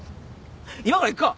今から行くか。